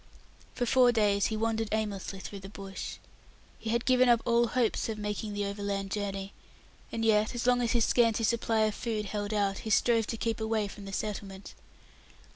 For four days he wandered aimlessly through the bush. He had given up all hopes of making the overland journey, and yet, as long as his scanty supply of food held out, he strove to keep away from the settlement.